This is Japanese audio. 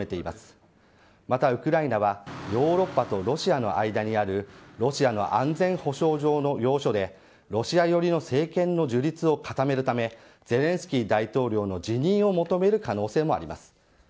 また、ウクライナはヨーロッパとロシアの間にあるロシアの安全保障上の要所でロシア寄りの政権の樹立を固めるためゼレンスキー大統領の辞任を求める可能性もあります。